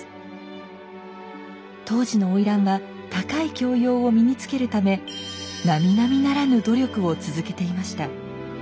当時の花魁は高い教養を身につけるためなみなみならぬ努力を続けていました。